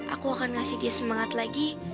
aku akan ngasih dia semangat lagi